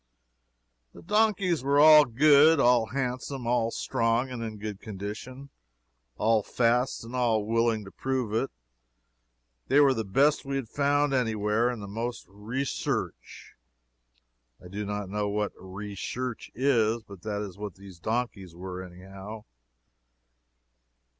The donkeys were all good, all handsome, all strong and in good condition, all fast and all willing to prove it. They were the best we had found any where, and the most 'recherche'. I do not know what 'recherche' is, but that is what these donkeys were, anyhow.